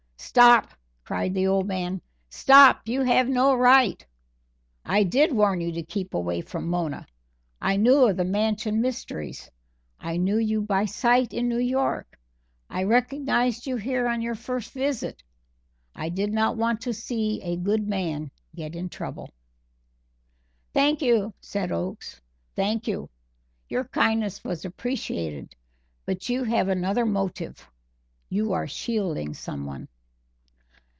"Stop!" cried the old man, "stop! you have no right I did warn you to keep away from Mona I knew of the Mansion mysteries I knew you by sight in New York I recognized you here on your first visit I did not want to see a good man get in trouble." "Thank you," said Oakes, "thank you. Your kindness was appreciated, but you have another motive you are shielding someone."